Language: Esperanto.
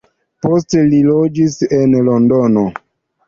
Poste li loĝis en Londono.